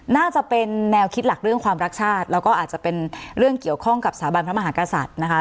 น่าจะเป็นแนวคิดหลักเรื่องความรักชาติแล้วก็อาจจะเป็นเรื่องเกี่ยวข้องกับสถาบันพระมหากษัตริย์นะคะ